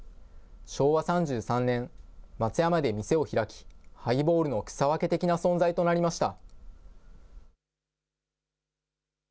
昭和３３年、松山で店を開き、ハイボールの草分け的な存在となりました。